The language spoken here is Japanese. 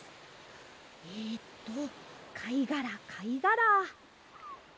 えとかいがらかいがら。